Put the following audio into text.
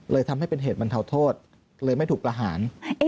เลยทำให้เป็นเหตุบรรเทาโทษเลยไม่ถูกประหาร